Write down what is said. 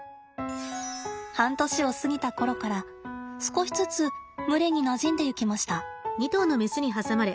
半年を過ぎたころから少しずつ群れになじんでいきました。